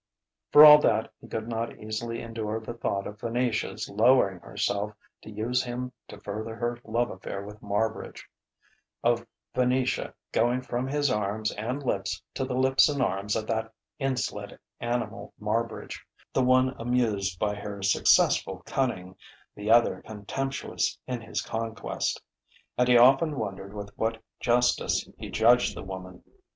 For all that, he could not easily endure the thought of Venetia's lowering herself to use him to further her love affair with Marbridge; of Venetia going from his arms and lips to the lips and arms of that insolent animal, Marbridge: the one amused by her successful cunning, the other contemptuous in his conquest. And he often wondered with what justice he judged the woman.